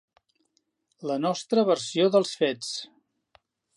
La nostra versió dels fets.